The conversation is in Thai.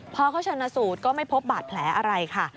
พอเขาชนะสูตรก็ไม่พบบาดแผลอะไรค่ะ